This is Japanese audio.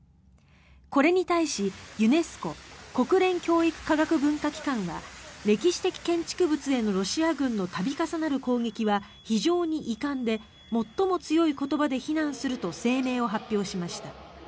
これに対しユネスコ・国連教育科学文化機関は歴史的建築物へのロシア軍の度重なる攻撃は非常に遺憾で最も強い言葉で非難すると声明を発表しました。